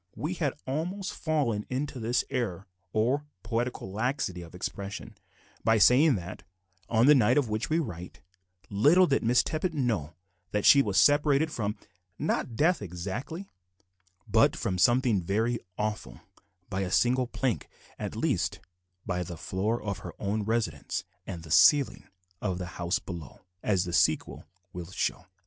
We had almost fallen into this error or poetical laxity of expression by saying that, on the night of which we write, little did Miss Tippet know that she was separated from, not death exactly, but from something very awful, by a single plank; at least, by the floor of her own residence, and the ceiling of the house below as the sequel will show.